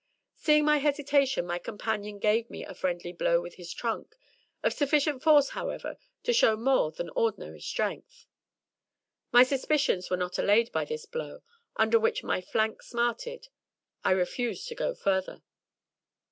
Seeing my hesitation, my companion gave me a friendly blow with his trunk, of sufficient force, however, to show more than ordinary strength. My suspicions were not allayed by this blow, under which my flank smarted; I refused to go further.